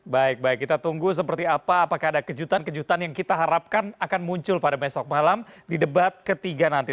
baik baik kita tunggu seperti apa apakah ada kejutan kejutan yang kita harapkan akan muncul pada besok malam di debat ketiga nanti